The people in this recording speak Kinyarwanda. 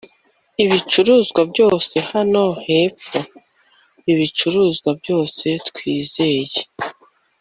ibicuruzwa byose hano hepfo, ibicuruzwa byose twizeye